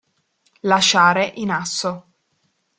Lasciare in asso.